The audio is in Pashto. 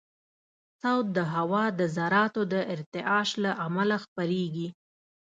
صوت د هوا د ذراتو د ارتعاش له امله خپرېږي.